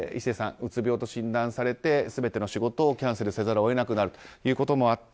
うつ病と診断されて全ての仕事をキャンセルせざるを得なくなるということもありまして